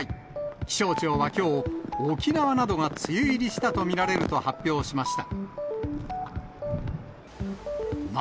気象庁はきょう、沖縄などが梅雨入りしたと見られると発表しました。